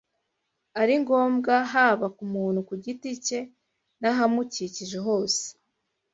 ari ngombwa haba ku muntu ku giti cye n’ahamukikije hose